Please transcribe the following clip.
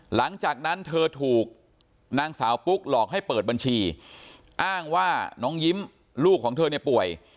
หลังจากนั้นเธอถูกนางสาวปุ๊กหลอกให้เปิดบัญชีอ้างว่าน้องยิ้มลูกของเธอเนี่ยป่วย